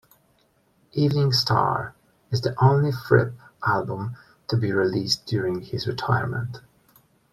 "Evening Star" is the only Fripp album to be released during his retirement.